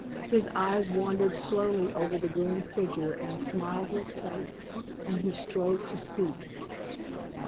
His eyes wandered slowly over the grim figure and smileless face, and he strove to speak.